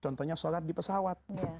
contohnya sholat di pesawat